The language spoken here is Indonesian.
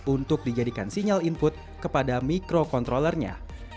untuk dijadikan sinyal input kepada mikrokontrollernya